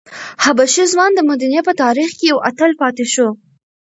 حبشي ځوان د مدینې په تاریخ کې یو اتل پاتې شو.